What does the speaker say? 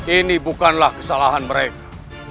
ini bukanlah kesalahan mereka